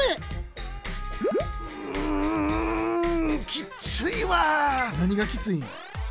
きっついわなにがきついん？